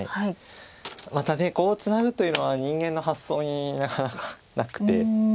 またコウをツナぐというのは人間の発想になかなかなくて。